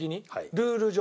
ルール上。